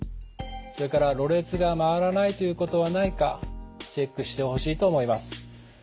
それからろれつが回らないということはないかチェックしてほしいと思います。